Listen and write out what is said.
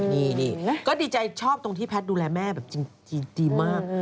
นี่ก็ดีใจชอบตรงที่แพทย์ดูแลแม่แบบจริงมาก